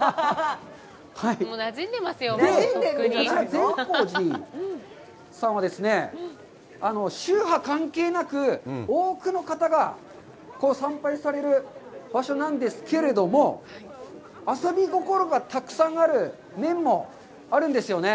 善光寺さんはですね、宗派に関係なく、多くの方が参拝される場所なんですけれども、遊び心がたくさんある面もあるんですよね。